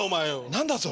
何だそれ。